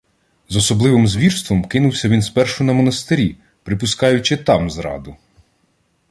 З особливим звірством кинувся він спершу на монастирі, припускаючи там зраду